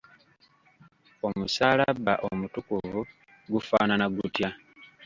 Omusaalabba omutukuvu gufaanana gutya?